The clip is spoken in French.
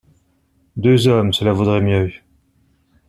Deux hommes, cela vaudrait mieux.